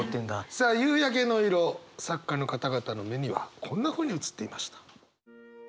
さあ夕焼けの色作家の方々の目にはこんなふうに映っていました。